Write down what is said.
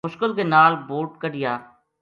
مشکل کے نال بوٹ کڈھیا